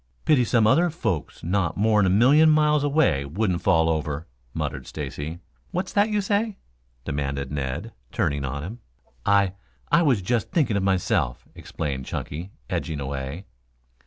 "Pity some other folks not more'n a million miles away wouldn't fall over," muttered Stacy. "What's that you say?" demanded Ned, turning on him. "I I was just thinking to myself," explained Chunky, edging away.